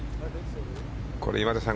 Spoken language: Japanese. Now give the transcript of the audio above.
これ今田さん